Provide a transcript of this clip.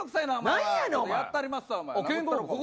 やったりますか。